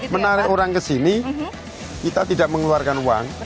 menarik orang kesini kita tidak mengeluarkan uang